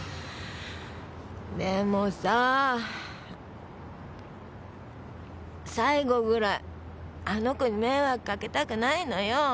でもさ、最後ぐらいあの子に迷惑かけたくないのよ。